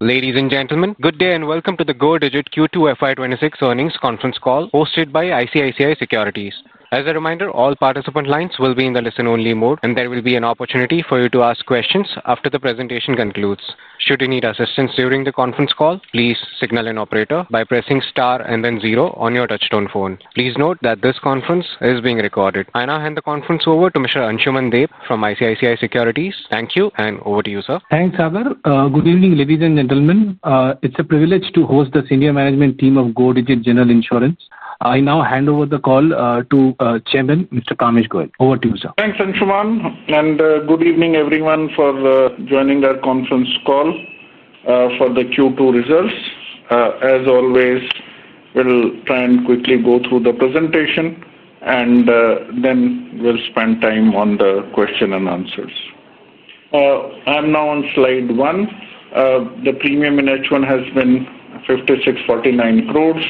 Ladies and gentlemen, good day and welcome to the Go Digit Q2 FY 2026 earnings conference call hosted by ICICI Securities. As a reminder, all participant lines will be in the listen-only mode, and there will be an opportunity for you to ask questions after the presentation concludes. Should you need assistance during the conference call, please signal an operator by pressing star and then zero on your touchstone phone. Please note that this conference is being recorded. I now hand the conference over to Mr. Ansuman Deb from ICICI Securities. Thank you and over to you, sir. Thanks, Agar. Good evening, ladies and gentlemen. It's a privilege to host the senior management team of Go Digit General Insurance. I now hand over the call to Chairman Mr. Kamesh Goyal. Over to you, sir. Thanks, Ansuman, and good evening everyone for joining our conference call for the Q2 results. As always, we'll try and quickly go through the presentation, and then we'll spend time on the Q&A. I'm now on slide one. The premium in H1 has been 5,649 crore.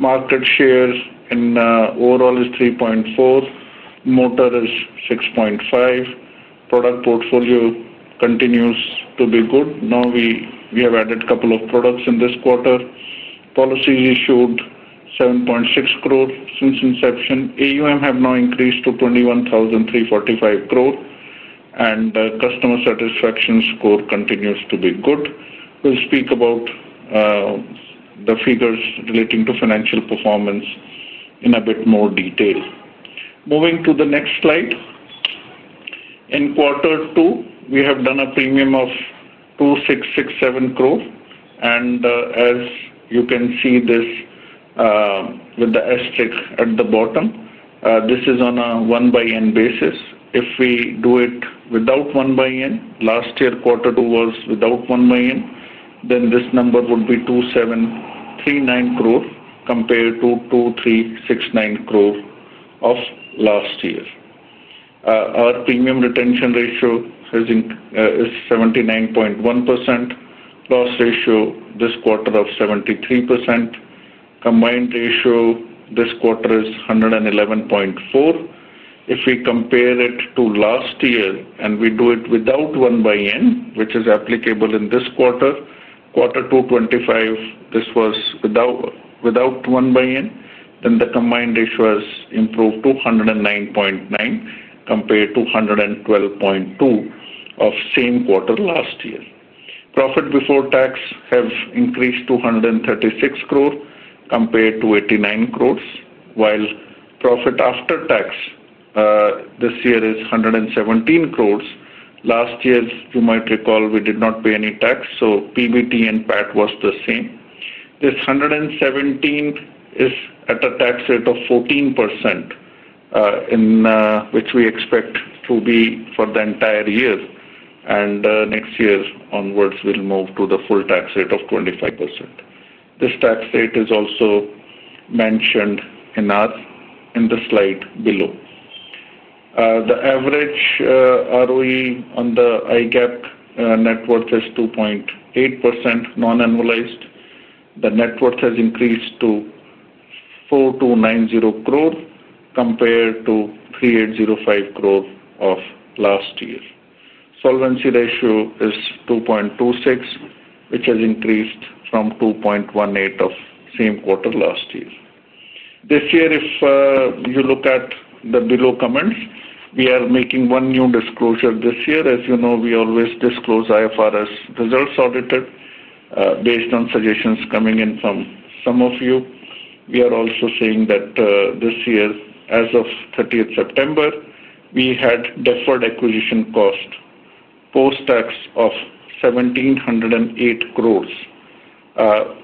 Market share overall is 3.4%. Motor is 6.5%. Product portfolio continues to be good. Now we have added a couple of products in this quarter. Policies issued 7.6 crore since inception. Assets under management have now increased to 21,345 crore, and customer satisfaction score continues to be good. We'll speak about the figures relating to financial performance in a bit more detail. Moving to the next slide. In quarter two, we have done a premium of 2,667 crore, and as you can see with the asterisk at the bottom, this is on a one-by-end basis. If we do it without one-by-end, last year quarter two was without one-by-end, then this number would be 2,739 crore compared to 2,369 crore of last year. Our premium retention ratio is 79.1%. Loss ratio this quarter is 73%. Combined ratio this quarter is 111.4%. If we compare it to last year and we do it without one-by-end, which is applicable in this quarter, Q2 FY 2025, this was without one-by-end, then the combined ratio has improved to 109.9% compared to 112.2% of same quarter last year. Profit before tax has increased to 136 crore compared to 89 crore, while profit after tax this year is 117 crore. Last year, as you might recall, we did not pay any tax, so PBT and PAT was the same. This 117 is at a tax rate of 14%, which we expect to be for the entire year, and next year onwards, we'll move to the full tax rate of 25%. This tax rate is also mentioned in the slide below. The average ROE on the IGAP net worth is 2.8% non-annualized. The net worth has increased to 4,290 crore compared to 3,805 crore of last year. Solvency ratio is 2.26%, which has increased from 2.18% of same quarter last year. This year, if you look at the below comments, we are making one new disclosure this year. As you know, we always disclose IFRS results audited based on suggestions coming in from some of you. We are also saying that this year, as of 30th September, we had deferred acquisition cost post-tax of 1,708 crore.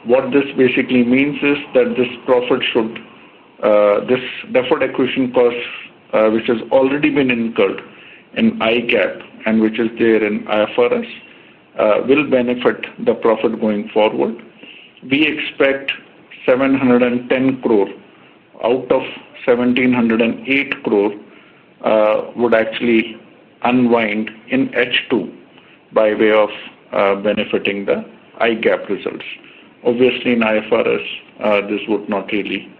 What this basically means is that this profit should, this deferred acquisition cost, which has already been incurred in IGAP and which is there in IFRS, will benefit the profit going forward. We expect 710 crore out of 1,708 crore would actually unwind in H2 by way of benefiting the IGAP results. Obviously, in IFRS, this would not really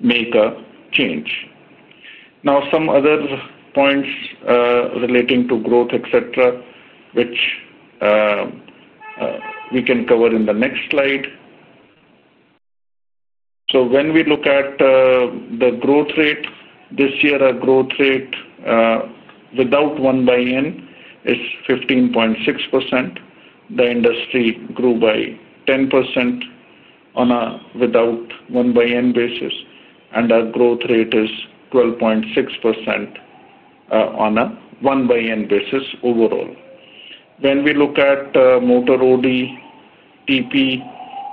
make a change. Now, some other points relating to growth, etc., which we can cover in the next slide. When we look at the growth rate this year, our growth rate without one-by-end is 15.6%. The industry grew by 10% on a without one-by-end basis, and our growth rate is 12.6% on a one-by-end basis overall. When we look at Motor OD, TP,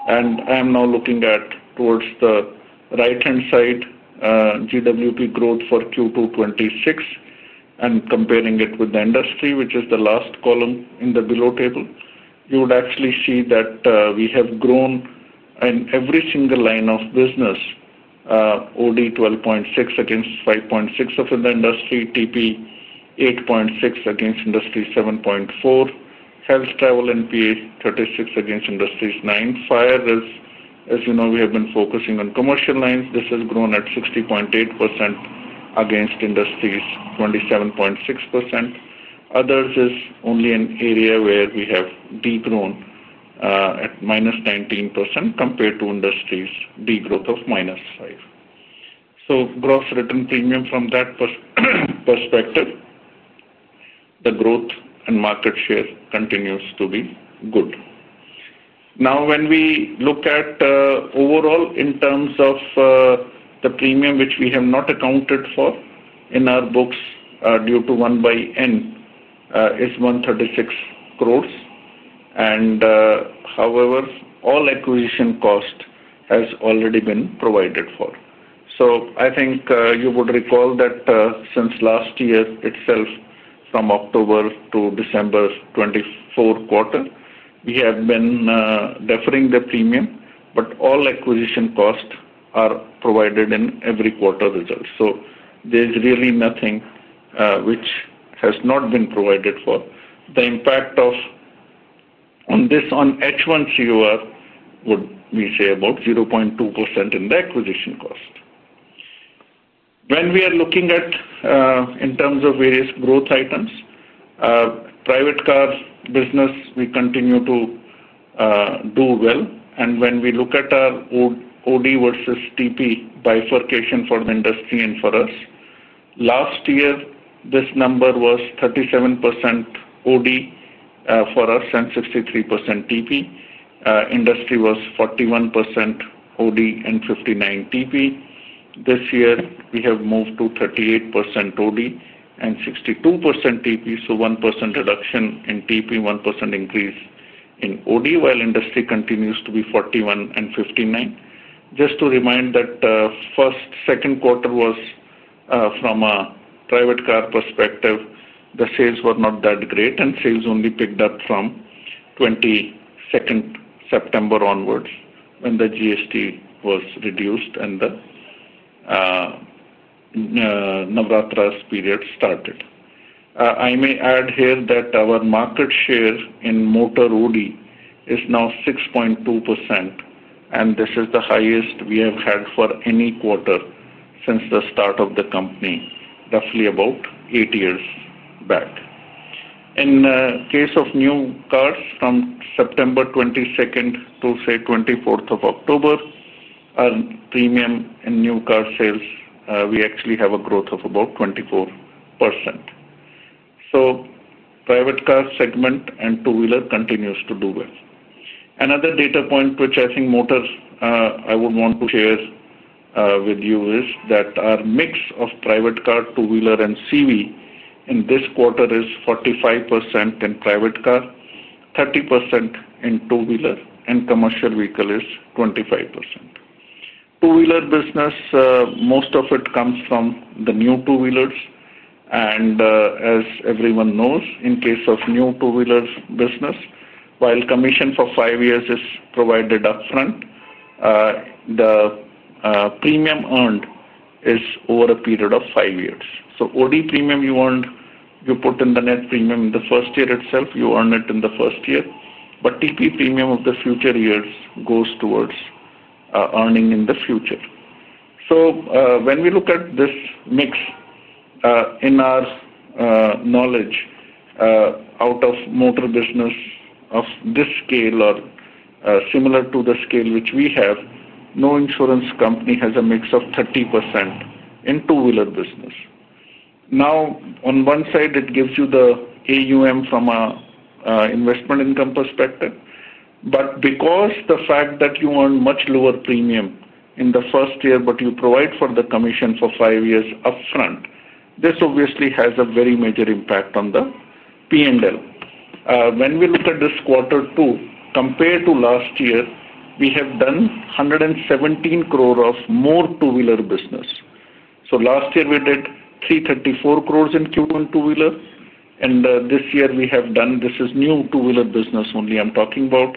and I am now looking at towards the right-hand side, GWP growth for Q2 2026 and comparing it with the industry, which is the last column in the below table, you would actually see that we have grown in every single line of business. OD 12.6% against 5.6% of the industry, TP 8.6% against industry 7.4%, health, travel, and PA 36% against industry's 9%. Fire is, as you know, we have been focusing on commercial lines. This has grown at 60.8% against industry's 27.6%. Others is only an area where we have degrown at -19% compared to industry's degrowth of -5%. So gross written premium from that perspective, the growth and market share continues to be good. When we look at overall in terms of the premium, which we have not accounted for in our books due to one-by-end, it is 136 crore. However, all acquisition cost has already been provided for. I think you would recall that since last year itself, from October to December 2024 quarter, we have been deferring the premium, but all acquisition costs are provided in every quarter result. There is really nothing which has not been provided for. The impact on this on H1 COR would be about 0.2% in the acquisition cost. When we are looking at in terms of various growth items, private car business, we continue to do well. When we look at our OD versus TP bifurcation for the industry and for us, last year, this number was 37% OD for us and 63% TP. Industry was 41% OD and 59% TP. This year, we have moved to 38% OD and 62% TP, so 1% reduction in TP, 1% increase in OD, while industry continues to be 41% and 59%. Just to remind that the first, second quarter was from a private car perspective, the sales were not that great, and sales only picked up from 22nd September onwards when the GST was reduced and the Navratras period started. I may add here that our market share in Motor OD is now 6.2%, and this is the highest we have had for any quarter since the start of the company, roughly about eight years back. In the case of new cars, from September 22nd to, say, October 24th, our premium in new car sales, we actually have a growth of about 24%. The private car segment and two-wheeler continues to do well. Another data point which I think Motor I would want to share with you is that our mix of private car, two-wheeler, and CV in this quarter is 45% in private car, 30% in two-wheeler, and commercial vehicle is 25%. Two-wheeler business, most of it comes from the new two-wheelers. As everyone knows, in case of new two-wheeler business, while commission for five years is provided upfront, the premium earned is over a period of five years. OD premium you earned, you put in the net premium in the first year itself, you earn it in the first year, but TP premium of the future years goes towards earning in the future. When we look at this mix in our knowledge, out of motor business of this scale or similar to the scale which we have, no insurance company has a mix of 30% in two-wheeler business. On one side, it gives you the AUM from an investment income perspective, but because of the fact that you earn much lower premium in the first year, but you provide for the commission for five years upfront, this obviously has a very major impact on the P&L. When we look at this quarter two, compared to last year, we have done 117 crore of more two-wheeler business. Last year, we did 334 crore in Q1 two-wheeler, and this year we have done, this is new two-wheeler business only I'm talking about,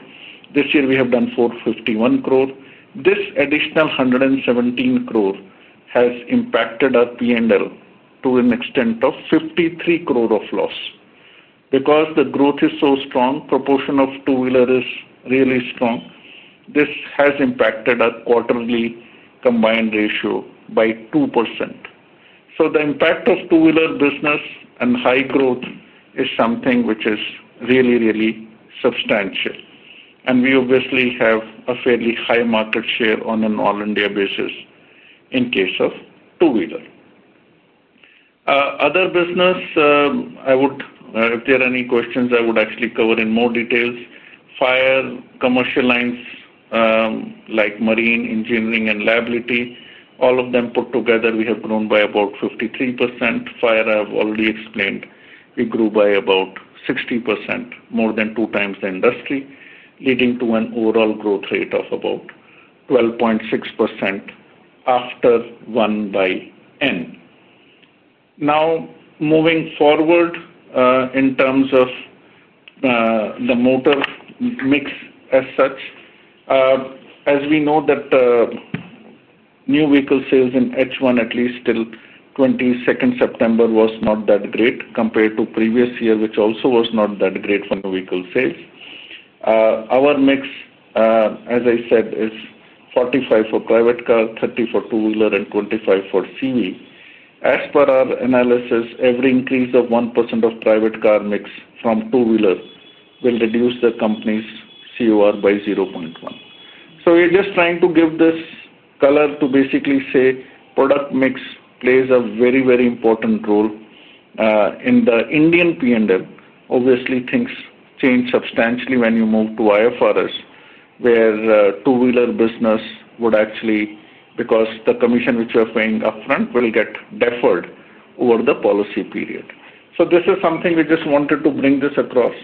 this year we have done 451 crore. This additional 117 crore has impacted our P&L to an extent of 53 crore of loss. Because the growth is so strong, the proportion of two-wheeler is really strong, this has impacted our quarterly combined ratio by 2%. The impact of two-wheeler business and high growth is something which is really, really substantial. We obviously have a fairly high market share on an all-India basis in case of Two-wheeler. Other business, if there are any questions, I would actually cover in more details. Fire, commercial lines like marine, engineering, and liability, all of them put together, we have grown by about 53%. Fire, I have already explained, we grew by about 60%, more than two times the industry, leading to an overall growth rate of about 12.6% after one-by-end. Now, moving forward in terms of the motor mix as such, as we know that new vehicle sales in H1, at least till 22nd September, were not that great compared to previous year, which also was not that great for new vehicle sales. Our mix, as I said, is 45 for private car, 30 for two-wheeler, and 25 for CV. As per our analysis, every increase of 1% of private car mix from two-wheeler will reduce the company's COR by 0.1. We're just trying to give this color to basically say product mix plays a very, very important role in the Indian P&L. Obviously, things change substantially when you move to IFRS, where two-wheeler business would actually, because the commission which you are paying upfront will get deferred over the policy period. This is something we just wanted to bring this across,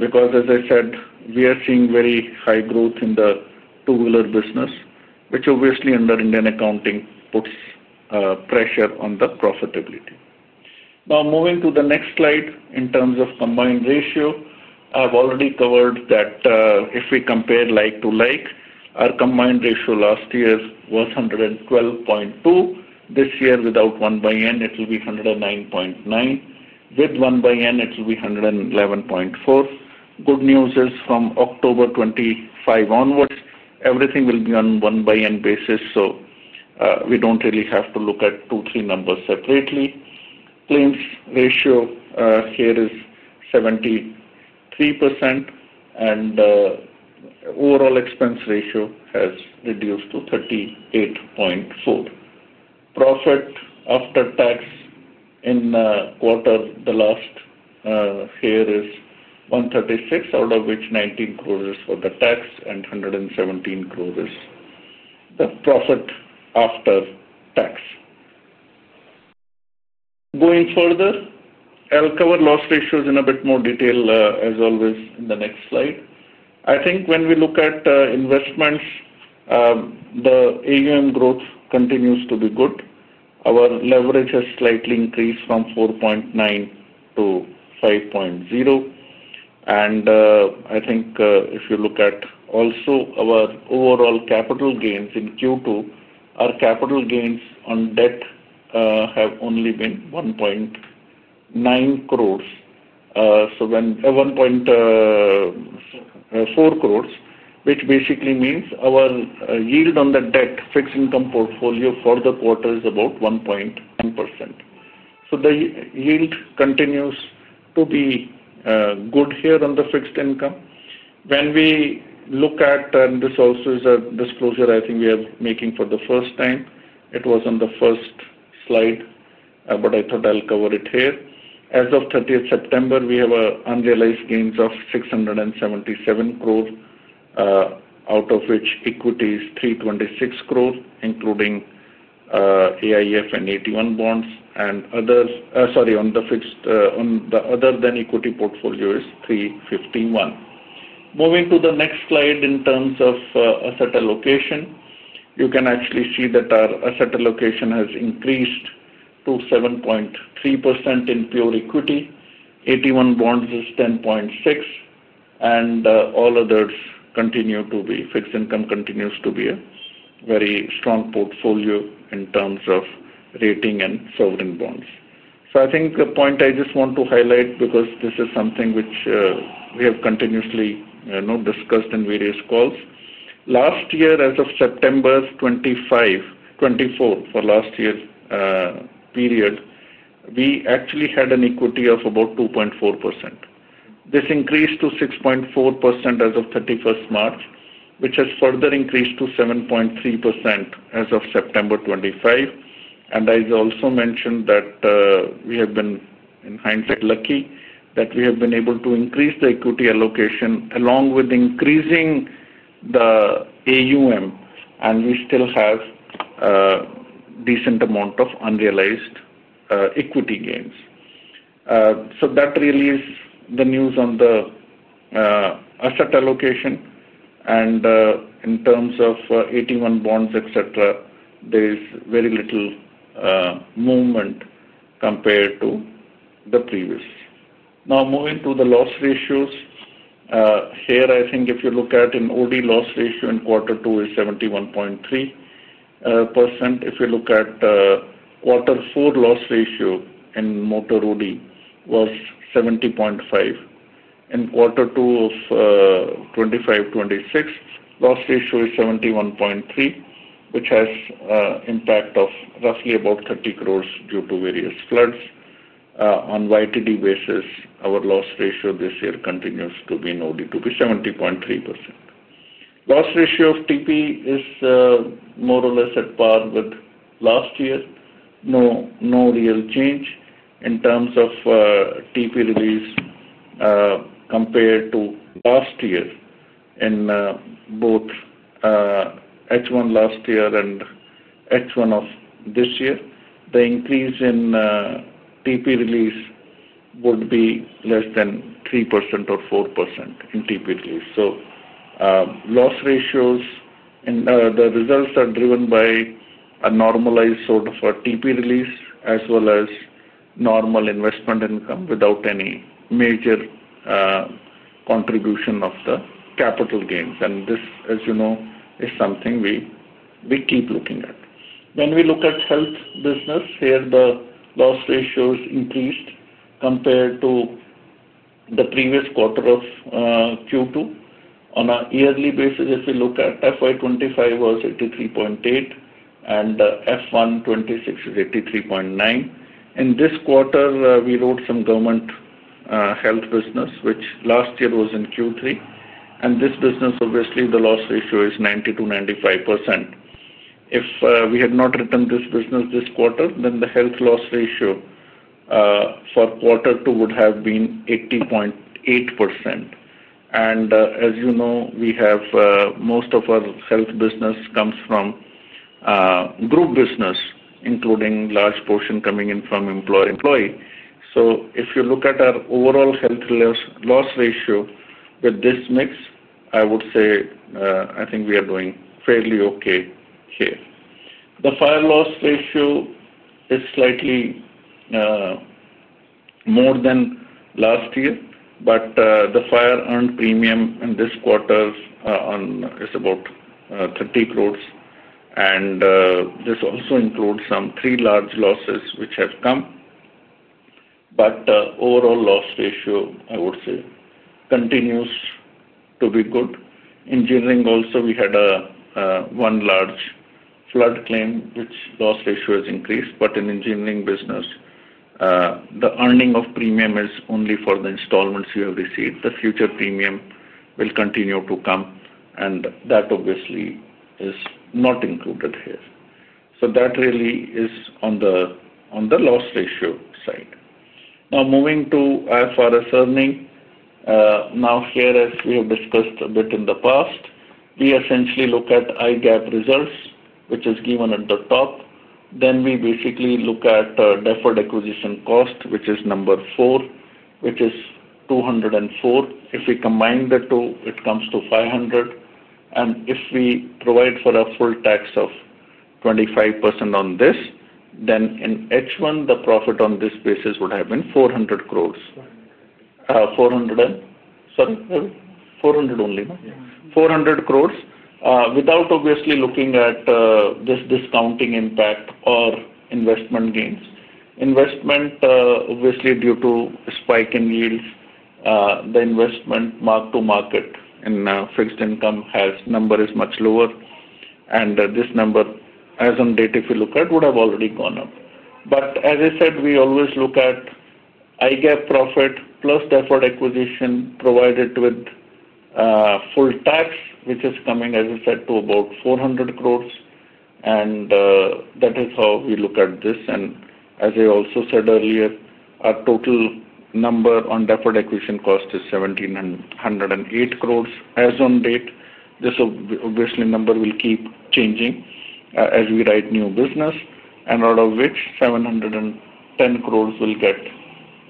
because, as I said, we are seeing very high growth in the two-wheeler business, which obviously under Indian accounting puts pressure on the profitability. Now, moving to the next slide in terms of combined ratio, I've already covered that if we compare like to like, our combined ratio last year was 112.2. This year, without one-by-end, it will be 109.9. With one-by-end, it will be 111.4. Good news is from October 25 onwards, everything will be on one-by-end basis, so we don't really have to look at two, three numbers separately. Claims ratio here is 73%, and overall expense ratio has reduced to 38.4%. Profit after tax in the quarter the last year is 136 crore, out of which 19 crore is for the tax and 117 crore is the profit after tax. Going further, I'll cover loss ratios in a bit more detail, as always, in the next slide. I think when we look at investments, the assets under management growth continues to be good. Our leverage has slightly increased from 4.9 to 5.0. I think if you look at also our overall capital gains in Q2, our capital gains on debt have only been 1.9 crore, so when 1.4 crore, which basically means our yield on the debt fixed income portfolio for the quarter is about 1.1%. The yield continues to be good here on the fixed income. When we look at the sources of disclosure, I think we are making for the first time. It was on the first slide, but I thought I'll cover it here. As of 30th September, we have unrealized gains of 677 crore, out of which equity is 326 crore, including AIF and 81 bonds. Others, sorry, on the fixed, on the other than equity portfolio is 351 crore. Moving to the next slide in terms of asset allocation, you can actually see that our asset allocation has increased to 7.3% in pure equity. 81 bonds is 10.6%, and all others continue to be fixed income, continues to be a very strong portfolio in terms of rating and sovereign bonds. I think the point I just want to highlight, because this is something which we have continuously discussed in various calls, last year, as of September 25, 2024, for last year's period, we actually had an equity of about 2.4%. This increased to 6.4% as of March 31, which has further increased to 7.3% as of September 25. I also mentioned that we have been, in hindsight, lucky that we have been able to increase the equity allocation along with increasing the assets under management, and we still have a decent amount of unrealized equity gains. That really is the news on the asset allocation. In terms of 81 bonds, etc., there is very little movement compared to the previous. Now, moving to the loss ratios, here I think if you look at an OD loss ratio in quarter two, it is 71.3%. If you look at quarter four loss ratio in Motor OD, it was 70.5%. In quarter two of 2025 to 2026, loss ratio is 71.3%, which has an impact of roughly about 30 crore due to various floods. On a year-to-date basis, our loss ratio this year continues to be in OD to be 70.3%. Loss ratio of TP is more or less at par with last year. No real change in terms of TP release compared to last year. In both H1 last year and H1 of this year, the increase in TP release would be less than 3% or 4% in TP release. Loss ratios in the results are driven by a normalized sort of a TP release as well as normal investment income without any major contribution of the capital gains. This, as you know, is something we keep looking at. When we look at health business here, the loss ratios increased compared to the previous quarter of Q2 on a yearly basis. If we look at FY 2025, it was 83.8%, and FY 2026 was 83.9%. In this quarter, we wrote some government health business, which last year was in Q3. This business, obviously, the loss ratio is 90%- 95%. If we had not written this business this quarter, then the health loss ratio for quarter two would have been 80.8%. As you know, most of our health business comes from group business, including a large portion coming in from employee. If you look at our overall health loss ratio with this mix, I would say I think we are doing fairly okay here. The fire loss ratio is slightly more than last year, but the fire earned premium in this quarter is about 30 crore. This also includes some three large losses which have come. Overall loss ratio, I would say, continues to be good. Engineering also, we had one large flood claim, which loss ratio has increased. In engineering business, the earning of premium is only for the installments you have received. The future premium will continue to come, and that obviously is not included here. That really is on the loss ratio side. Now, moving to IFRS earning, here, as we have discussed a bit in the past, we essentially look at IGAP results, which is given at the top. Then we basically look at deferred acquisition cost, which is number four, which is 204 crore. If we combine the two, it comes to 500 crore. If we provide for a full tax of 25% on this, then in H1, the profit on this basis would have been 400 crore. 400 and, sorry, 400 only, 400 crore, without obviously looking at this discounting impact or investment gains. Investment, obviously, due to a spike in yields, the investment mark-to-market in fixed income number is much lower. This number, as on data, if you look at, would have already gone up. As I said, we always look at IGAP profit plus deferred acquisition provided with full tax, which is coming, as I said, to about 400 crore. That is how we look at this. As I also said earlier, our total number on deferred acquisition cost is 1,708 crore, as on date. This obviously number will keep changing as we write new business, and out of which 710 crore will get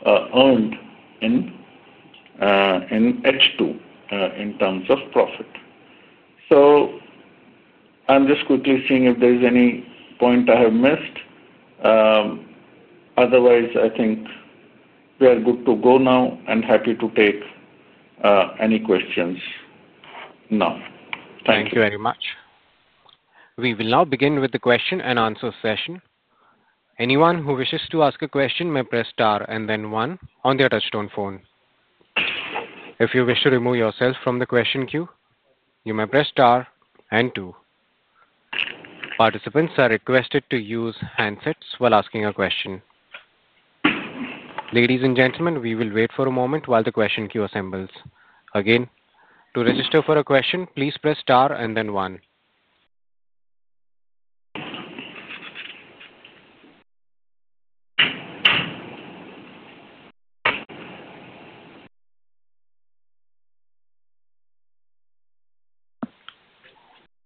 earned in H2 in terms of profit. I'm just quickly seeing if there's any point I have missed. Otherwise, I think we are good to go now and happy to take any questions now. Thank you very much. We will now begin with the session. Anyone who wishes to ask a question may press star and then one on their touchstone phone. If you wish to remove yourself from the question queue, you may press star and two. Participants are requested to use handsets while asking a question. Ladies and gentlemen, we will wait for a moment while the question queue assembles. Again, to register for a question, please press star and then one.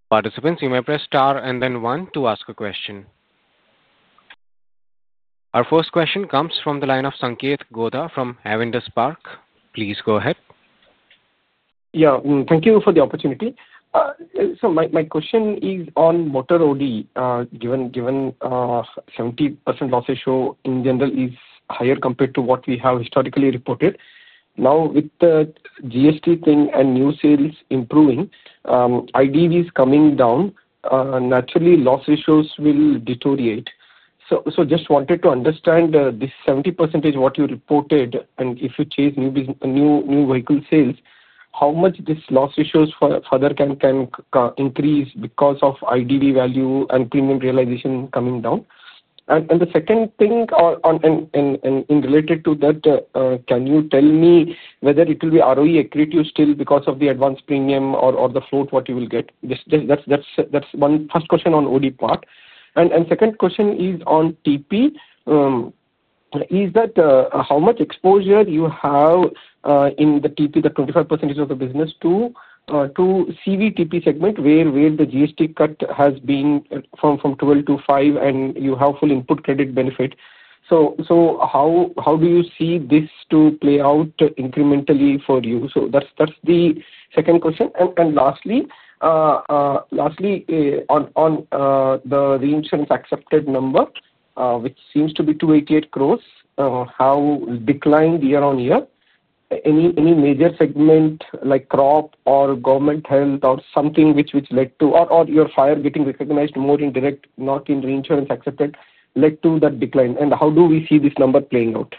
Participants, you may press star and then one to ask a question. Our first question comes from the line of Sanketh Godha from Avendus Spark. Please go ahead. Thank you for the opportunity. My question is on Motor OD, given 70% loss ratio in general is higher compared to what we have historically reported. Now, with the GST thing and new sales improving, IDV is coming down. Naturally, loss ratios will deteriorate. I just wanted to understand this 70% is what you reported, and if you chase new vehicle sales, how much this loss ratio further can increase because of IDV value and premium realization coming down? The second thing related to that, can you tell me whether it will be ROE accurate to you still because of the advanced premium or the float what you will get? That's one first question on OD part. Second question is on TP. How much exposure do you have in the TP, the 25% of the business to CV TP segment where the GST cut has been from 12% to 5%, and you have full input credit benefit? How do you see this to play out incrementally for you? Lastly, on the reinsurance accepted number, which seems to be 288 crore, how declined year-on-year? Any major segment like crop or government health or something which led to, or your fire getting recognized more indirect, not in reinsurance accepted, led to that decline? How do we see this number playing out?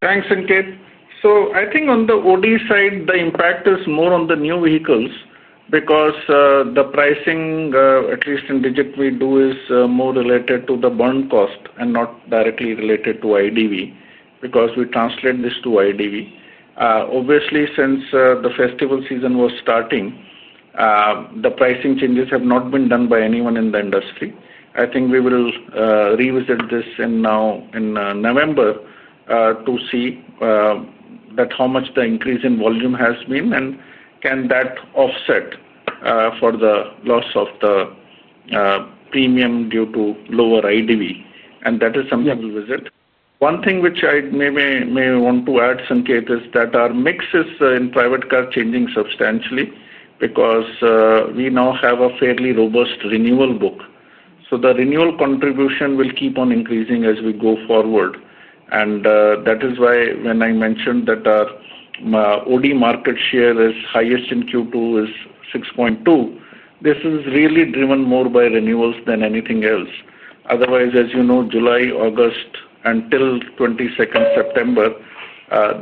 Thanks, Sanketh. I think on the OD side, the impact is more on the new vehicles because the pricing, at least in Go Digit, we do is more related to the bond cost and not directly related to IDV because we translate this to IDV. Obviously, since the festival season was starting, the pricing changes have not been done by anyone in the industry. I think we will revisit this now in November to see how much the increase in volume has been and can that offset for the loss of the premium due to lower IDV. That is something we'll visit. One thing which I may want to add, Sanketh, is that our mix in private car is changing substantially because we now have a fairly robust renewal book. The renewal contribution will keep on increasing as we go forward. That is why when I mentioned that our OD market share is highest in Q2, is 6.2%. This is really driven more by renewals than anything else. Otherwise, as you know, July, August, until 22nd September,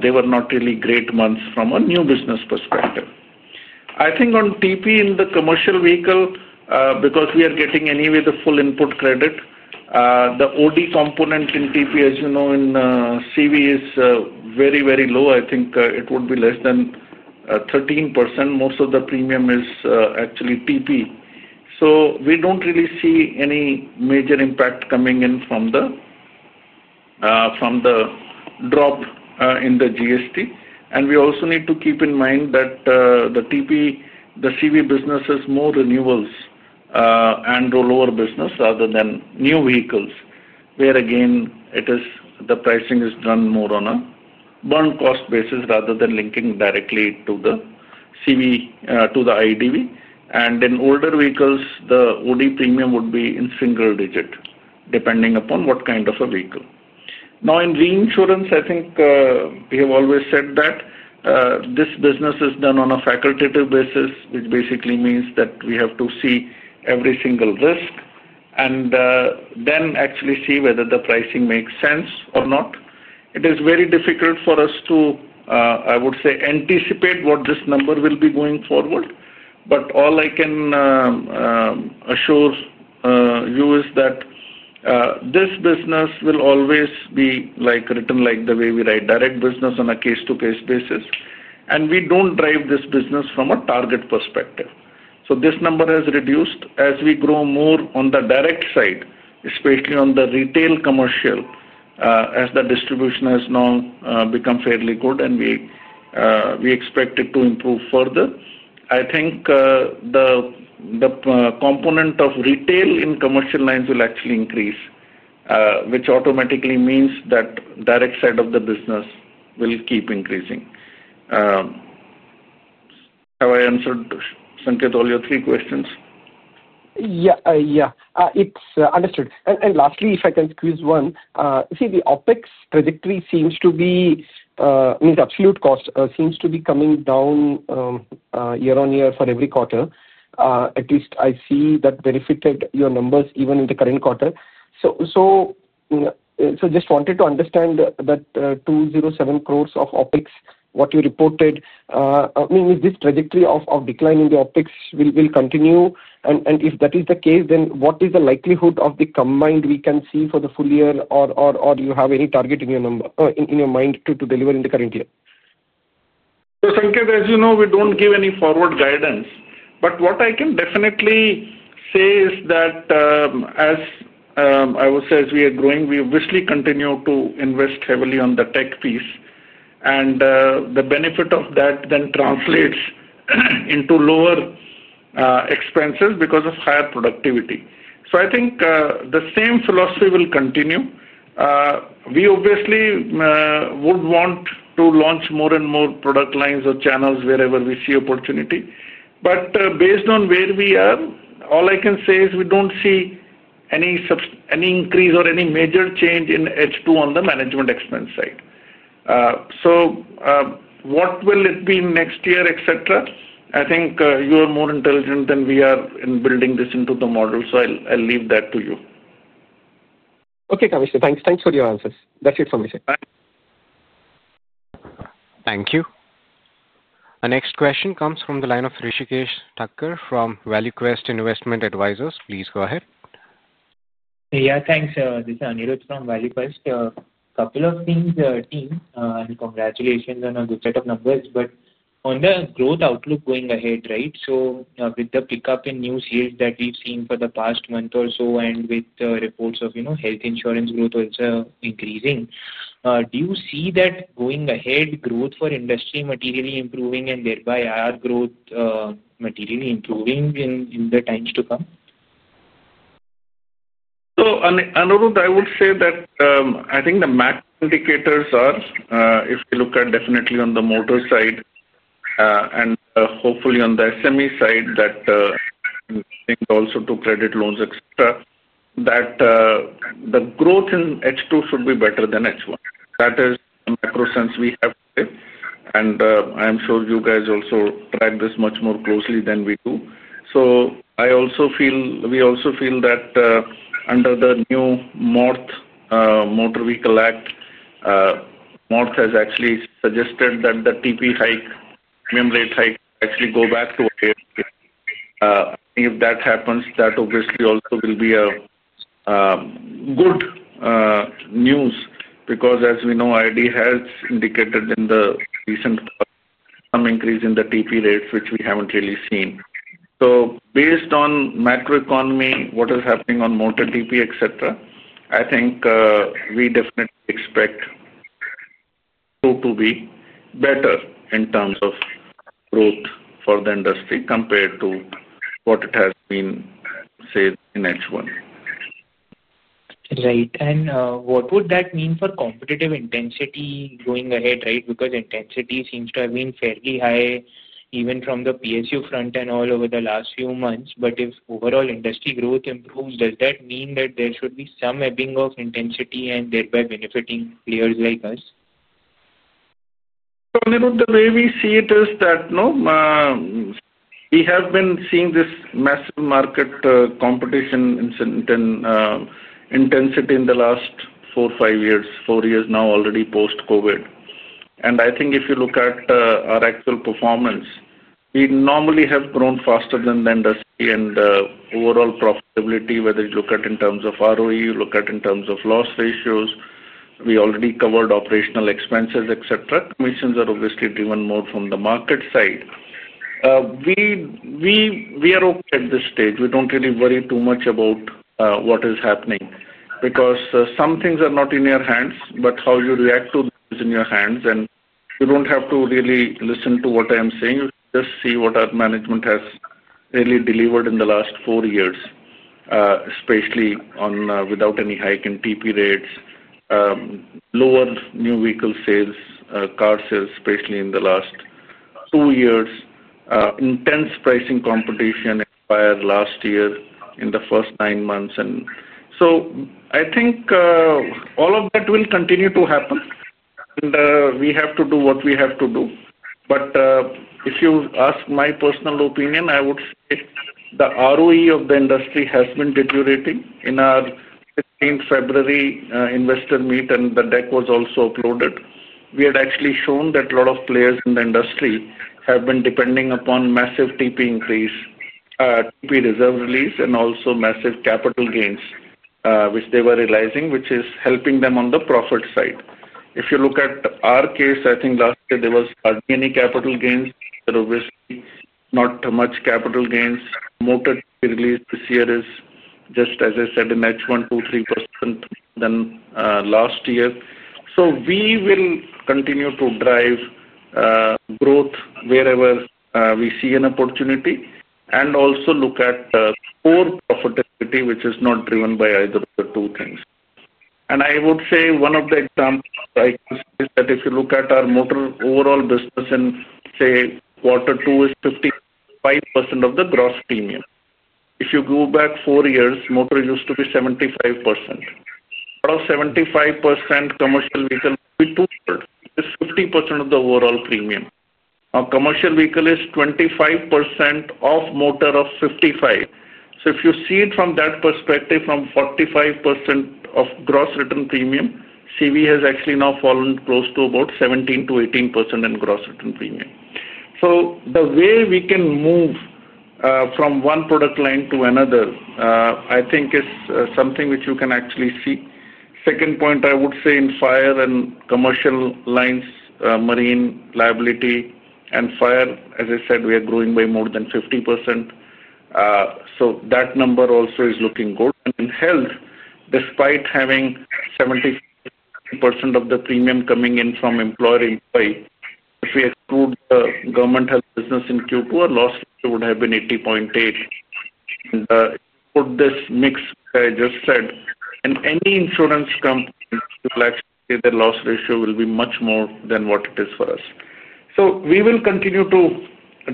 they were not really great months from a new business perspective. I think on TP in the commercial vehicle, because we are getting anyway the full input credit, the OD component in TP, as you know, in CV is very, very low. I think it would be less than 13%. Most of the premium is actually TP. We don't really see any major impact coming in from the drop in the GST. We also need to keep in mind that the TP, the CV business is more renewals and rollover business rather than new vehicles, where again the pricing is done more on a bond cost basis rather than linking directly to the CV to the IDV. In older vehicles, the OD premium would be in single digit depending upon what kind of a vehicle. In reinsurance, I think we have always said that this business is done on a facultative basis, which basically means that we have to see every single risk and then actually see whether the pricing makes sense or not. It is very difficult for us to anticipate what this number will be going forward. All I can assure you is that this business will always be written like the way we write direct business on a case-to-case basis. We don't drive this business from a target perspective. This number has reduced as we grow more on the direct side, especially on the retail commercial, as the distribution has now become fairly good, and we expect it to improve further. I think the component of retail in commercial lines will actually increase, which automatically means that the direct side of the business will keep increasing. Have I answered, Sanketh, all your three questions? Yeah. It's understood. Lastly, if I can squeeze one, the OpEx trajectory seems to be, means absolute cost seems to be coming down year on year for every quarter. At least I see that benefited your numbers even in the current quarter. I just wanted to understand that 207 crore of OpEx, what you reported, is this trajectory of decline in the OpEx going to continue? If that is the case, what is the likelihood of the combined we can see for the full year, or do you have any target in your number in your mind to deliver in the current year? Sanketh, as you know, we don't give any forward guidance. What I can definitely say is that, as I would say, as we are growing, we obviously continue to invest heavily on the tech piece. The benefit of that then translates into lower expenses because of higher productivity. I think the same philosophy will continue. We obviously would want to launch more and more product lines or channels wherever we see opportunity. Based on where we are, all I can say is we don't see any increase or any major change in H2 on the management expense side. What will it be next year, etc.? I think you are more intelligent than we are in building this into the model. I'll leave that to you. Okay, Kamlesh. Thanks. Thanks for your answers. That's it for me, sir. Thank you. Our next question comes from the line of [Rishikesh Thakkar] from ValueQuest Investment Advisors. Please go ahead. Yeah. Thanks. This is Anirudh from ValueQuest. A couple of things, team, and congratulations on a good set of numbers. On the growth outlook going ahead, right? With the pickup in new sales that we've seen for the past month or so, and with the reports of health insurance growth also increasing, do you see that going ahead growth for industry materially improving and thereby our growth materially improving in the times to come? Anirudh, I would say that I think the macro indicators are, if we look at definitely on the motor side and hopefully on the SME side, that I think also to credit loans, etc., that the growth in H2 should be better than H1. That is the macro sense we have today. I'm sure you guys also track this much more closely than we do. I also feel we also feel that under the new MORTH Motor Vehicle Act, MORTH has actually suggested that the TP hike, premium rate hike, actually go back to years. If that happens, that obviously also will be good news because, as we know, ID has indicated in the recent some increase in the TP rates, which we haven't really seen. Based on macroeconomy, what is happening on motor TP, etc., I think we definitely expect so to be better in terms of growth for the industry compared to what it has been, say, in H1. Right. What would that mean for competitive intensity going ahead? Intensity seems to have been fairly high even from the PSU front and all over the last few months. If overall industry growth improves, does that mean that there should be some ebbing of intensity and thereby benefiting players like us? Anirudh, the way we see it is that we have been seeing this massive market competition intensity in the last four, five years, four years now already post-COVID. I think if you look at our actual performance, we normally have grown faster than the industry and overall profitability, whether you look at in terms of ROE, you look at in terms of loss ratios. We already covered operational expenses, etc. Commissions are obviously driven more from the market side. We are okay at this stage. We don't really worry too much about what is happening because some things are not in your hands, but how you react to them is in your hands. You don't have to really listen to what I am saying. You just see what our management has really delivered in the last four years, especially without any hike in TP rates, lower new vehicle sales, car sales, especially in the last two years, intense pricing competition in the last year in the first nine months. I think all of that will continue to happen. We have to do what we have to do. If you ask my personal opinion, I would say the ROE of the industry has been deteriorating. In our 15th February investor meet and the deck was also uploaded, we had actually shown that a lot of players in the industry have been depending upon massive TP increase, TP reserve release, and also massive capital gains, which they were realizing, which is helping them on the profit side. If you look at our case, I think last year there was hardly any capital gains. There are obviously not much capital gains. Motor TP release this year is just, as I said, in H1, 2, 3% than last year. We will continue to drive growth wherever we see an opportunity and also look at core profitability, which is not driven by either of the two things. I would say one of the examples I can say is that if you look at our motor overall business in, say, quarter two is 55% of the gross premium. If you go back four years, motor used to be 75%. Out of 75%, commercial vehicle would be two-thirds, which is 50% of the overall premium. Our commercial vehicle is 25% of motor of 55. If you see it from that perspective, from 45% of gross written premium, CV has actually now fallen close to about 17 to 18% in gross written premium. The way we can move from one product line to another, I think, is something which you can actually see. Second point, I would say in fire and commercial lines, marine liability, and fire, as I said, we are growing by more than 50%. That number also is looking good. In health, despite having 75% of the premium coming in from employer employee, if we exclude the government health business in Q2, our loss ratio would have been 80.8%. If you put this mix that I just said in any insurance company, you will actually see their loss ratio will be much more than what it is for us. We will continue to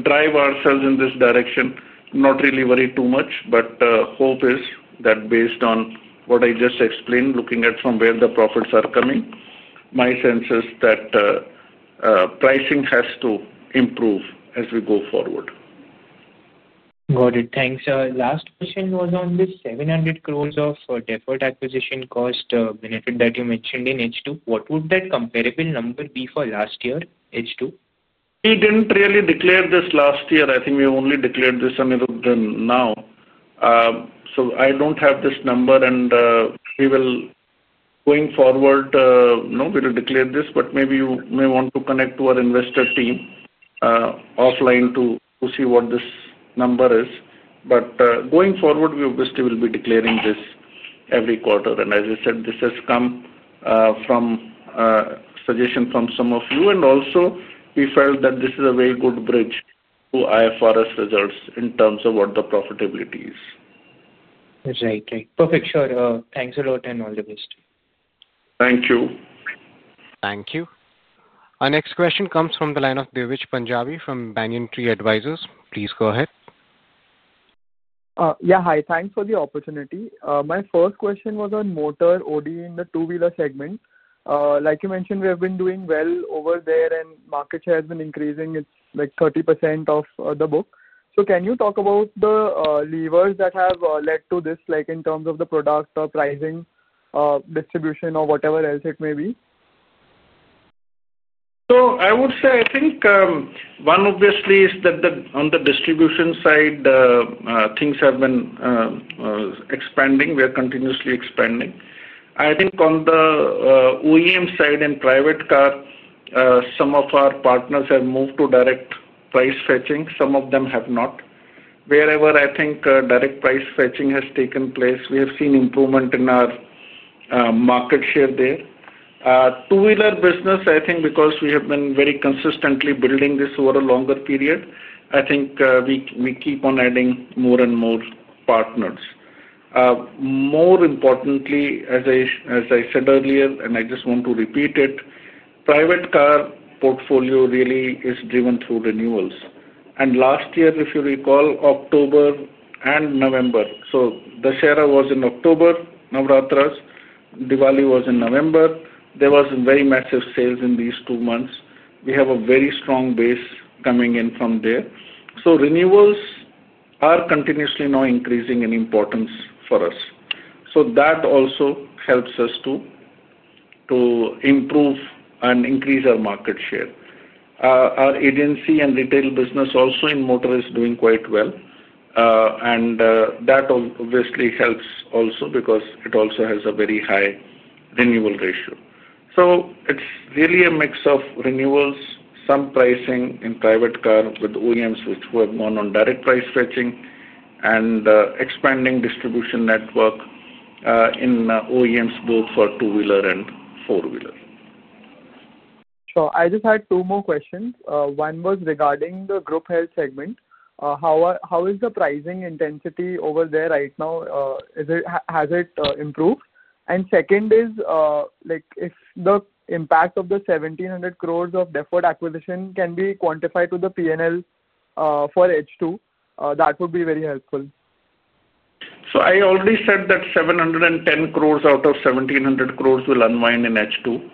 drive ourselves in this direction, not really worry too much, but hope is that based on what I just explained, looking at from where the profits are coming, my sense is that pricing has to improve as we go forward. Got it. Thanks. Last question was on this 700 crore of deferred acquisition cost benefit that you mentioned in H2. What would that comparable number be for last year H2? We didn't really declare this last year. I think we only declared this, Anirudh, now. I don't have this number. We will, going forward, declare this, but maybe you may want to connect to our investor team offline to see what this number is. Going forward, we obviously will be declaring this every quarter. As I said, this has come from suggestion from some of you. We felt that this is a very good bridge to IFRS results in terms of what the profitability is. Exactly. Perfect. Sure. Thanks a lot and all the best. Thank you. Thank you. Our next question comes from the line of Divij Punjabi from Banyan Tree Advisors. Please go ahead. Yeah. Hi. Thanks for the opportunity. My first question was on motor OD in the two-wheeler segment. Like you mentioned, we have been doing well over there, and market share has been increasing. It's like 30% of the book. Can you talk about the levers that have led to this, like in terms of the product pricing, distribution, or whatever else it may be? I would say I think one obviously is that on the distribution side, things have been expanding. We are continuously expanding. I think on the OEM side and private car, some of our partners have moved to direct price fetching. Some of them have not. Wherever I think direct price fetching has taken place, we have seen improvement in our market share there. Two-wheeler business, I think because we have been very consistently building this over a longer period, we keep on adding more and more partners. More importantly, as I said earlier, and I just want to repeat it, private car portfolio really is driven through renewals. Last year, if you recall, October and November, the Share was in October, Navratras, Diwali was in November. There were very massive sales in these two months. We have a very strong base coming in from there. Renewals are continuously now increasing in importance for us. That also helps us to improve and increase our market share. Our agency and retail business also in motor is doing quite well. That obviously helps also because it also has a very high renewal ratio. It's really a mix of renewals, some pricing in private car with OEMs which have gone on direct price fetching, and expanding distribution network in OEMs both for two-wheeler and four-wheeler. Sure. I just had two more questions. One was regarding the group health segment. How is the pricing intensity over there right now? Has it improved? The second is, if the impact of the 1,700 crore of deferred acquisition can be quantified to the P&L for H2, that would be very helpful. I already said that 710 crore out of 1,700 crore will unwind in H2.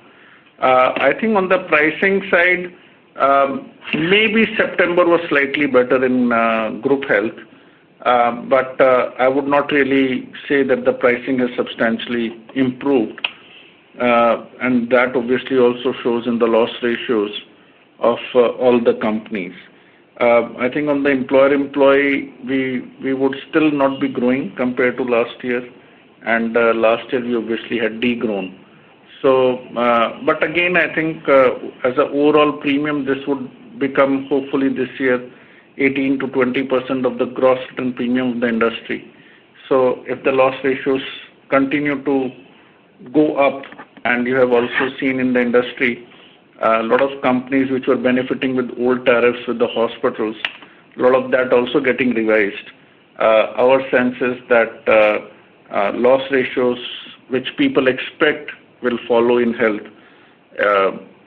I think on the pricing side, maybe September was slightly better in group health. I would not really say that the pricing has substantially improved, and that obviously also shows in the loss ratios of all the companies. I think on the employer employee, we would still not be growing compared to last year. Last year, we obviously had degrown. I think as an overall premium, this would become hopefully this year 18%-20% of the gross written premium of the industry. If the loss ratios continue to go up, and you have also seen in the industry a lot of companies which were benefiting with old tariffs with the hospitals, a lot of that also getting revised, our sense is that loss ratios, which people expect, will follow in health.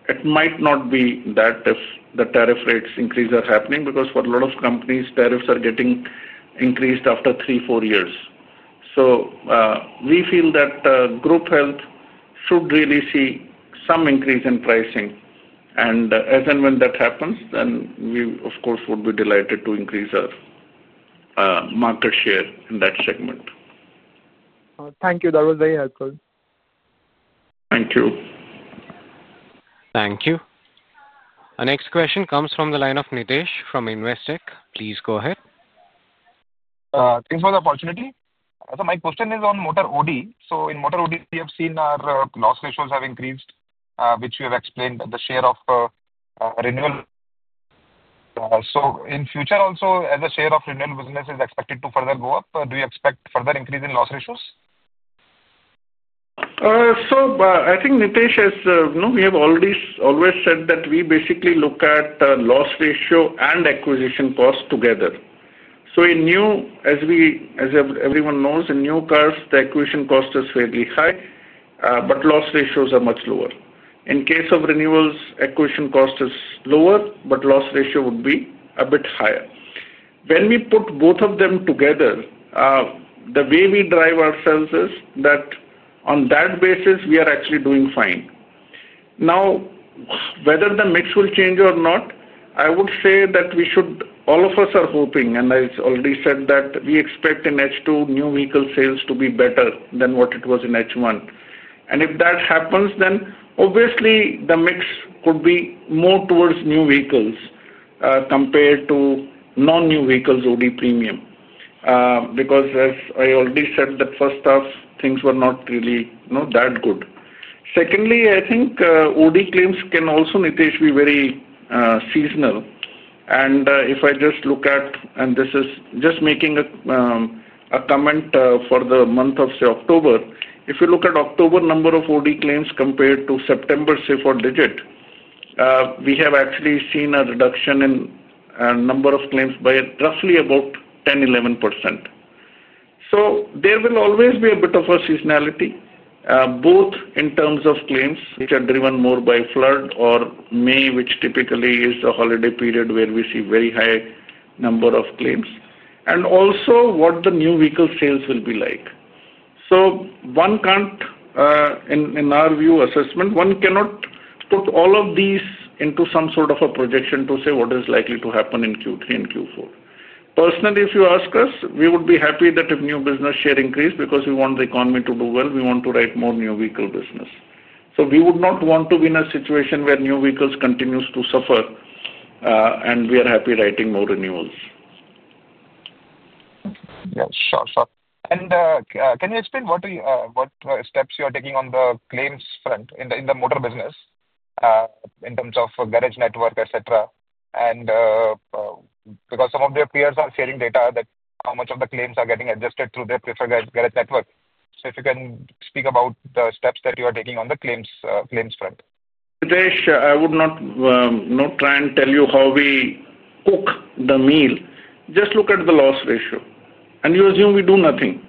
It might not be that if the tariff rates increase are happening because for a lot of companies, tariffs are getting increased after three, four years. We feel that group health should really see some increase in pricing. As and when that happens, then we, of course, would be delighted to increase our market share in that segment. Thank you. That was very helpful. Thank you. Thank you. Our next question comes from the line of Nidhesh from Investec. Please go ahead. Thanks for the opportunity. My question is on Motor OD. In Motor OD, we have seen our loss ratios have increased, which we have explained, the share of renewal. In future, also, as the share of renewal business is expected to further go up, do you expect further increase in loss ratios? I think we have already always said that we basically look at the loss ratio and acquisition cost together. In new, as everyone knows, in new cars, the acquisition cost is fairly high, but loss ratios are much lower. In case of renewals, acquisition cost is lower, but loss ratio would be a bit higher. When we put both of them together, the way we drive ourselves is that on that basis, we are actually doing fine. Now, whether the mix will change or not, I would say that we should, all of us are hoping, and I already said that we expect in H2 new vehicle sales to be better than what it was in H1. If that happens, then obviously the mix could be more towards new vehicles compared to non-new vehicles OD premium. As I already said, the first half, things were not really that good. Secondly, I think OD claims can also be very seasonal. If I just look at, and this is just making a comment for the month of, say, October, if you look at October number of OD claims compared to September, say, four digits, we have actually seen a reduction in number of claims by roughly about 10%, 11%. There will always be a bit of a seasonality, both in terms of claims which are driven more by flood or May, which typically is the holiday period where we see a very high number of claims, and also what the new vehicle sales will be like. One can't, in our view, assessment, one cannot put all of these into some sort of a projection to say what is likely to happen in Q3 and Q4. Personally, if you ask us, we would be happy that if new business share increases because we want the economy to do well. We want to write more new vehicle business. We would not want to be in a situation where new vehicles continue to suffer, and we are happy writing more renewals. Sure. Can you explain what steps you are taking on the claims front in the motor business in terms of garage network, etc., because some of the peers are sharing data that how much of the claims are getting adjusted through their preferred garage network? If you can speak about the steps that you are taking on the claims front. Nidhesh, I would not try and tell you how we cook the meal. Just look at the loss ratio, and you assume we do nothing.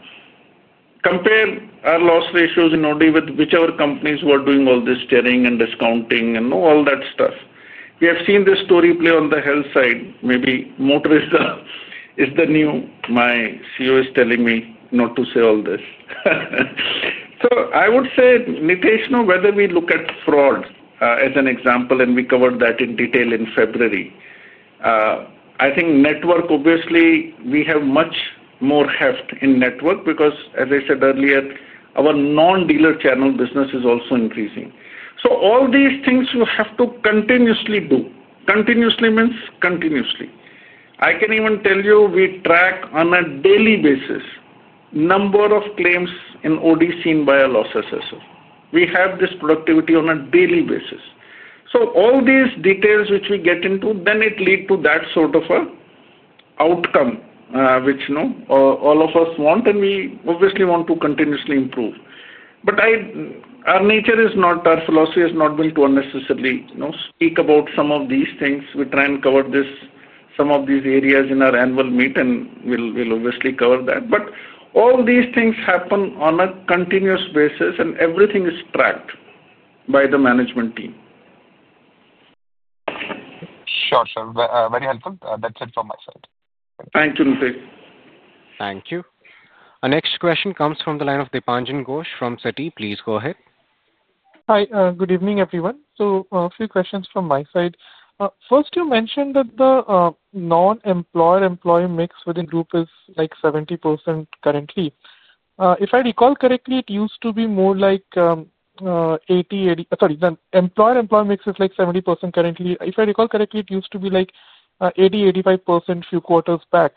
Compare our loss ratios in OD with whichever companies who are doing all this sharing and discounting and all that stuff. We have seen this story play on the health side. Maybe motor is the new. My CEO is telling me not to say all this. I would say, Nidhesh, whether we look at fraud as an example, and we covered that in detail in February, I think network, obviously, we have much more heft in network because, as I said earlier, our non-dealer channel business is also increasing. All these things you have to continuously do. Continuously means continuously. I can even tell you we track on a daily basis the number of claims in OD seen by a loss assessor. We have this productivity on a daily basis. All these details which we get into, then it leads to that sort of an outcome, which all of us want, and we obviously want to continuously improve. Our nature is not, our philosophy has not been to unnecessarily speak about some of these things. We try and cover some of these areas in our annual meet, and we'll obviously cover that. All these things happen on a continuous basis, and everything is tracked by the management team. Sure. Sure. Very helpful. That's it from my side. Thank you, Nitesh. Thank you. Our next question comes from the line of Dipanjan Ghosh from Citi. Please go ahead. Hi. Good evening, everyone. A few questions from my side. First, you mentioned that the non-employer employee mix within the group is like 70% currently. If I recall correctly, it used to be more like 80%, 85% a few quarters back.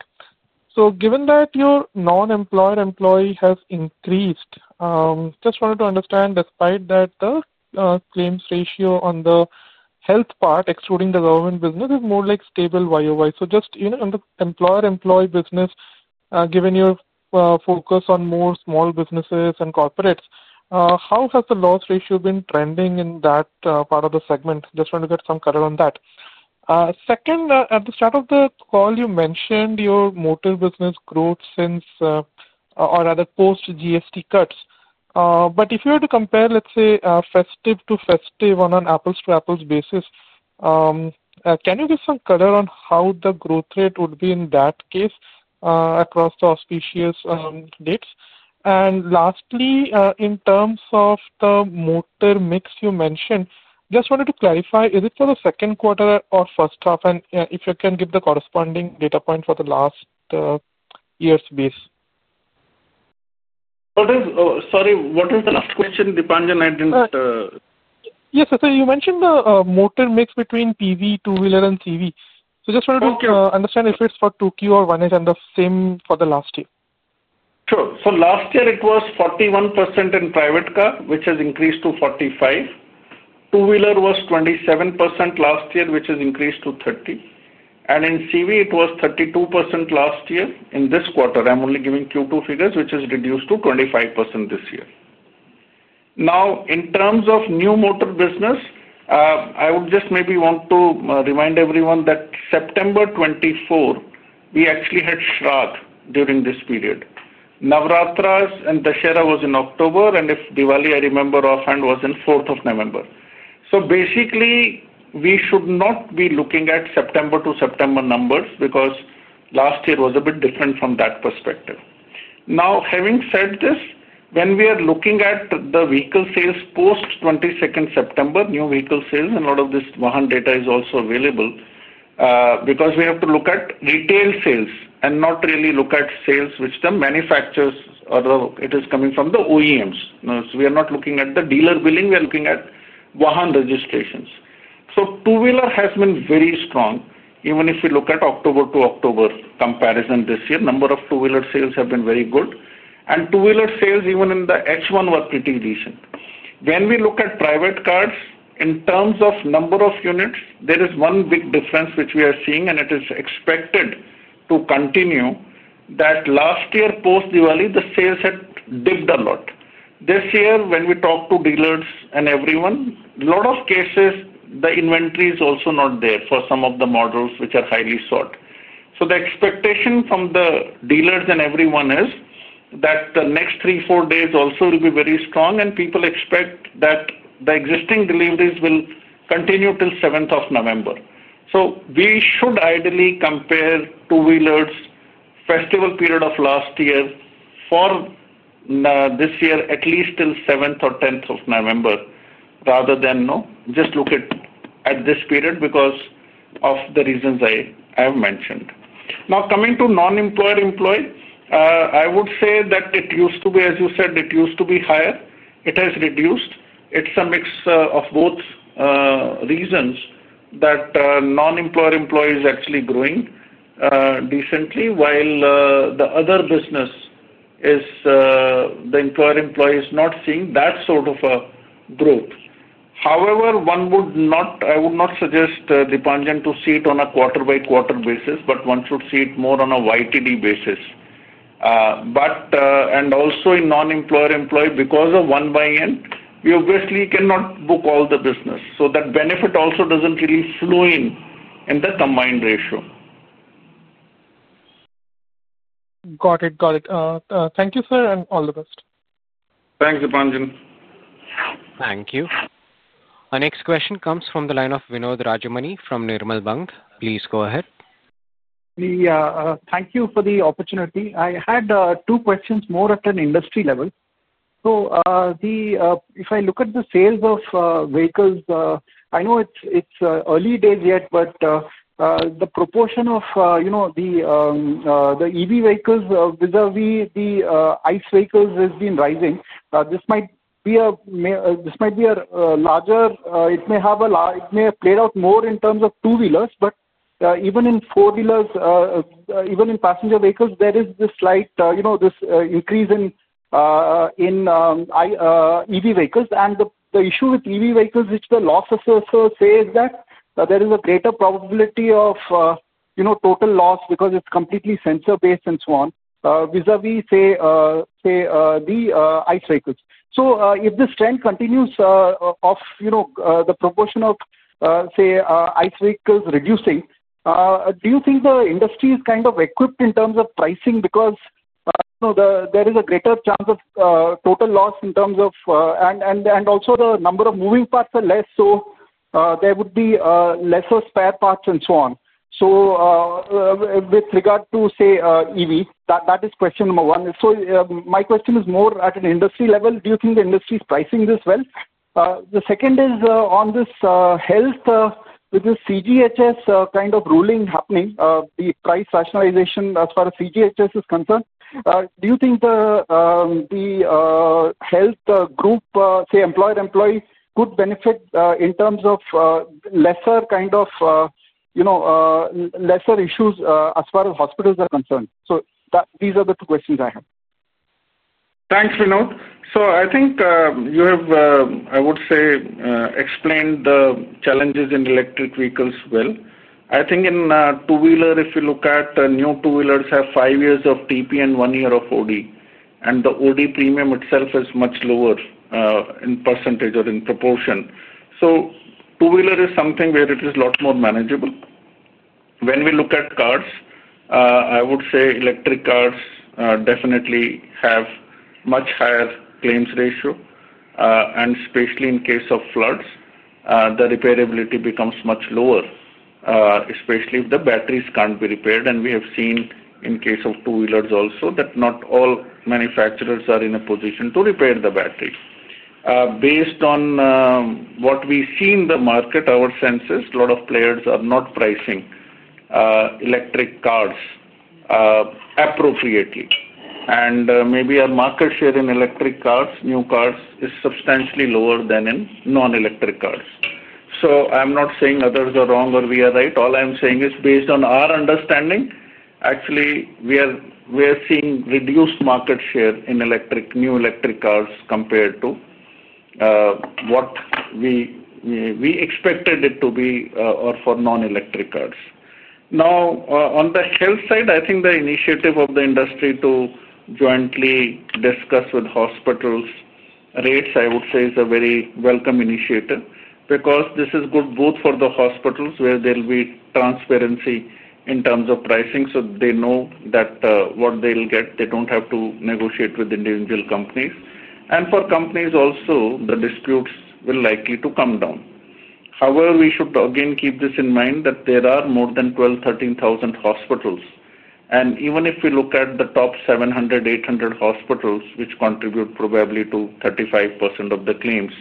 Given that your non-employer employee has increased, just wanted to understand, despite that, the claims ratio on the health part, excluding the government business, is more like stable YOY. In the employer employee business, given your focus on more small businesses and corporates, how has the loss ratio been trending in that part of the segment? Just wanted to get some color on that. At the start of the call, you mentioned your motor business growth since, or rather, post-GST cuts. If you were to compare, let's say, festive to festive on an apples-to-apples basis, can you give some color on how the growth rate would be in that case across the auspicious dates? Lastly, in terms of the motor mix you mentioned, just wanted to clarify, is it for the second quarter or first half? If you can give the corresponding data point for the last year's base. Sorry, what is the last question, Dipanjan? I didn't. Yes. You mentioned the Motor mix between PV, Two-wheeler, and CV. I just wanted to understand if it's for 2Q or 1H and the same for the last year. Sure. Last year, it was 41% in private car, which has increased to 45%. Two-wheeler was 27% last year, which has increased to 30%. In CV, it was 32% last year. In this quarter, I'm only giving Q2 figures, which has reduced to 25% this year. In terms of New Motor business, I would just maybe want to remind everyone that September 2024, we actually had Shrad during this period. Navratras and Dussehra were in October, and if Diwali, I remember offhand, was on November 4. We should not be looking at September to September numbers because last year was a bit different from that perspective. Having said this, when we are looking at the vehicle sales post September 22, new vehicle sales, and a lot of this VAHAN data is also available because we have to look at retail sales and not really look at sales which the manufacturers or it is coming from the OEMs. We are not looking at the dealer billing. We are looking at VAHAN registrations. Two-wheeler has been very strong. Even if we look at October to October comparison this year, number of two-wheeler sales have been very good. Two-wheeler sales even in the H1 were pretty decent. When we look at private cars, in terms of number of units, there is one big difference which we are seeing, and it is expected to continue that last year post Diwali, the sales had dipped a lot. This year, when we talk to dealers and everyone, in a lot of cases, the inventory is also not there for some of the models which are highly sought. The expectation from the dealers and everyone is that the next three or four days also will be very strong, and people expect that the existing deliveries will continue till November 7. We should ideally compare two-wheelers festival period of last year for this year at least till November 7 or 10 rather than just look at this period because of the reasons I have mentioned. Coming to non-employer employee, I would say that it used to be, as you said, it used to be higher. It has reduced. It's a mix of both reasons that non-employer employee is actually growing decently, while the other business is the employer employee is not seeing that sort of a growth. I would not suggest Dipanjan to see it on a quarter-by-quarter basis, but one should see it more on a YTD basis. Also, in non-employer employee, because of one buy-in, we obviously cannot book all the business. That benefit also doesn't really flow in the combined ratio. Got it. Got it. Thank you, sir, and all the best. Thanks, Dipanjan. Thank you. Our next question comes from the line of Vinod Rajamani from Nirmal Bang. Please go ahead. Thank you for the opportunity. I had two questions more at an industry level. If I look at the sales of vehicles, I know it's early days yet, but the proportion of the EV vehicles vis-à-vis the ICE vehicles has been rising. This might be a larger, it may have played out more in terms of Two-wheelers, but even in Four-wheelers, even in passenger vehicles, there is this slight increase in EV vehicles. The issue with EV vehicles, which the loss assessor says, is that there is a greater probability of total loss because it's completely sensor-based and so on vis-à-vis, say, the ICE vehicles. If this trend continues of the proportion of, say, ICE vehicles reducing, do you think the industry is kind of equipped in terms of pricing? There is a greater chance of total loss in terms of, and also the number of moving parts are less, so there would be lesser spare parts and so on. With regard to, say, EV, that is question number one. My question is more at an industry level. Do you think the industry is pricing this well? The second is on this health, with this CGHS kind of ruling happening, the price rationalization as far as CGHS is concerned, do you think the health group, say, employer employee, could benefit in terms of lesser kind of issues as far as hospitals are concerned? These are the two questions I have. Thanks, Vinod. I think you have explained the challenges in electric vehicles well. I think in Two-wheeler, if you look at new Two-wheelers, they have five years of TP and one year of OD. The OD premium itself is much lower in percentage or in proportion. Two-wheeler is something where it is a lot more manageable. When we look at cars, electric cars definitely have a much higher claims ratio. Especially in case of floods, the reparability becomes much lower, especially if the batteries can't be repaired. We have seen in case of Two-wheelers also that not all manufacturers are in a position to repair the battery. Based on what we see in the market, our sense is a lot of players are not pricing electric cars appropriately. Maybe our market share in electric cars, new cars, is substantially lower than in non-electric cars. I'm not saying others are wrong or we are right. All I'm saying is based on our understanding, we are seeing reduced market share in new electric cars compared to what we expected it to be for non-electric cars. On the health side, I think the initiative of the industry to jointly discuss with hospitals rates is a very welcome initiative because this is good both for the hospitals where there will be transparency in terms of pricing. They know what they'll get, they don't have to negotiate with individual companies. For companies also, the disputes will likely come down. However, we should keep this in mind that there are more than 12,000 or 13,000 hospitals. Even if we look at the top 700 or 800 hospitals, which contribute probably to 35% of the claims,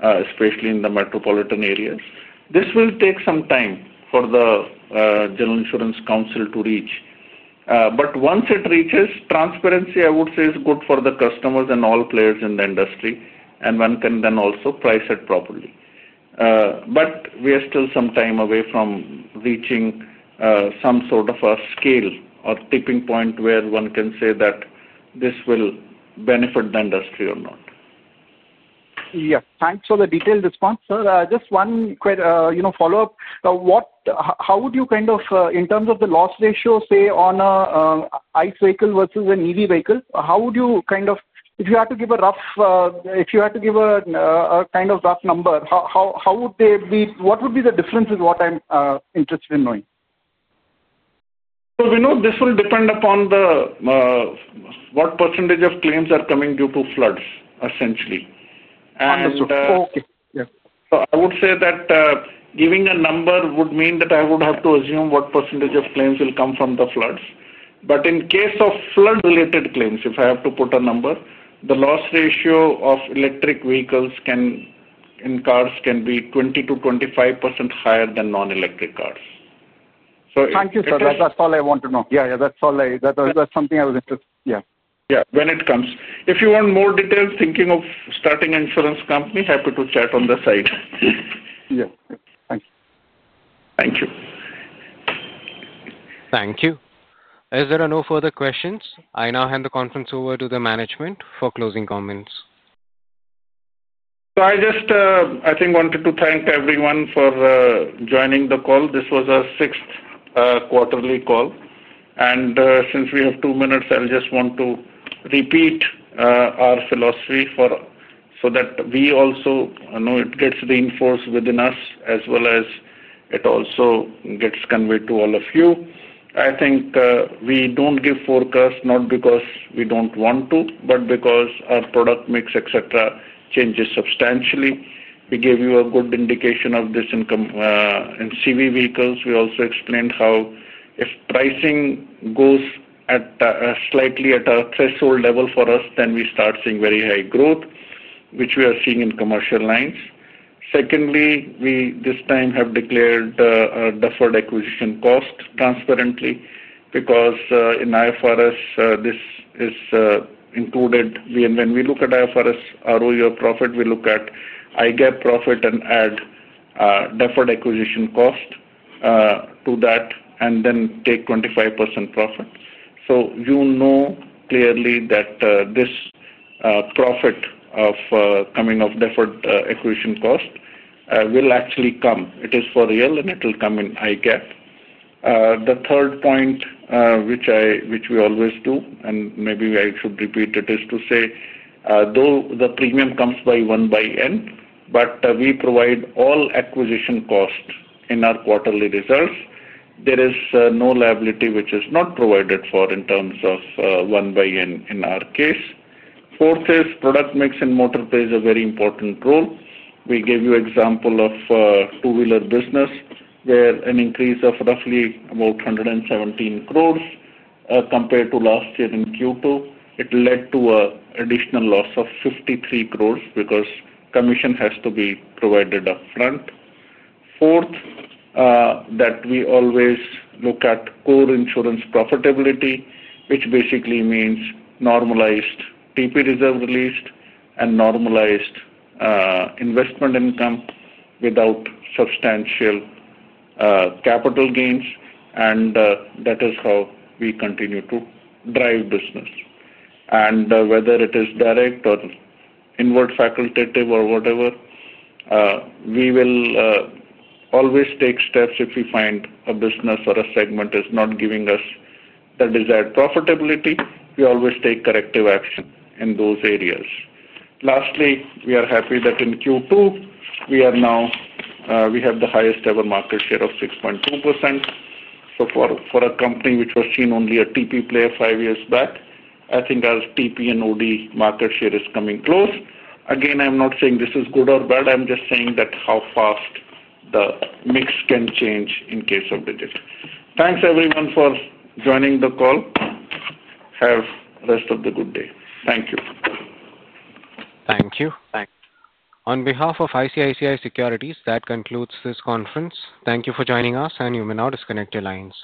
especially in the metropolitan areas, this will take some time for the General Insurance Council to reach. Once it reaches, transparency is good for the customers and all players in the industry. One can then also price it properly. We are still some time away from reaching some sort of a scale or tipping point where one can say that this will benefit the industry or not. Yes. Thanks for the detailed response, sir. Just one quick follow-up. How would you, in terms of the loss ratio, say, on an ICE vehicle versus an EV vehicle, if you had to give a rough number, how would they be, what would be the difference is what I'm interested in knowing? Vinod, this will depend upon what % of claims are coming due to floods, essentially. Understood. Okay. Yeah. I would say that giving a number would mean that I would have to assume what percentage of claims will come from the floods. In case of flood-related claims, if I have to put a number, the loss ratio of electric vehicles and cars can be 20%-25% higher than non-electric cars. Thank you, sir. That's all I want to know. That's something I was interested in. Yeah, when it comes, if you want more details, thinking of starting an insurance company, happy to chat on the side. Yeah. Thanks. Thank you. Thank you. If there are no further questions, I now hand the conference over to the management for closing comments. I think, wanted to thank everyone for joining the call. This was our sixth quarterly call. Since we have two minutes, I'll just want to repeat our philosophy so that we also know it gets reinforced within us as well as it also gets conveyed to all of you. I think we don't give forecasts not because we don't want to, but because our product mix, etc., changes substantially. We gave you a good indication of this in CV vehicles. We also explained how if pricing goes slightly at a threshold level for us, then we start seeing very high growth, which we are seeing in commercial lines. Secondly, we this time have declared deferred acquisition costs transparently because in IFRS, this is included. When we look at IFRS ROE or profit, we look at IGAP profit and add deferred acquisition cost to that and then take 25% profit. You know clearly that this profit of coming of deferred acquisition cost will actually come. It is for real, and it will come in IGAP. The third point, which we always do, and maybe I should repeat it, is to say, though the premium comes by one by N, we provide all acquisition costs in our quarterly results. There is no liability which is not provided for in terms of one by N in our case. Fourth is product mix and motor plays a very important role. We gave you an example of a Two-wheeler business where an increase of roughly about 117 crore compared to last year in Q2 led to an additional loss of 53 crore because commission has to be provided upfront. Fourth, that we always look at core insurance profitability, which basically means normalized TP reserve released and normalized investment income without substantial capital gains. That is how we continue to drive business. Whether it is direct or inward facultative or whatever, we will always take steps if we find a business or a segment is not giving us the desired profitability. We always take corrective action in those areas. Lastly, we are happy that in Q2, we have the highest ever market share of 6.2%. For a company which was seen only a TP player five years back, I think our TP and OD market share is coming close. Again, I'm not saying this is good or bad. I'm just saying that how fast the mix can change in case of Digit. Thanks, everyone, for joining the call. Have the rest of the good day. Thank you. Thank you. Thanks. On behalf of ICICI Securities, that concludes this conference. Thank you for joining us, and you may now disconnect your lines.